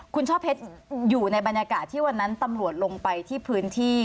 คุณช่อเพชรอยู่ในบรรยากาศที่วันนั้นตำรวจลงไปที่พื้นที่